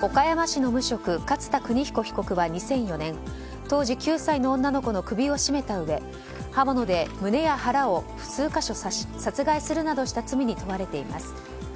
岡山市の無職勝田州彦被告は２００４年当時９歳の女の子の首を絞めたうえ刃物で胸や腹を数か所刺し殺害するなどした罪に問われています。